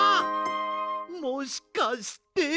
もしかして。